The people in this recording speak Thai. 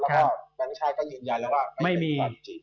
แล้วก็บางชายก็ยืนยันแล้วว่าไม่มี